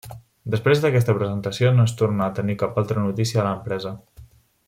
Després d'aquesta presentació, no es tornà a tenir cap altra notícia de l'empresa.